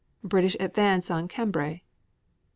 British advance on Cambrai.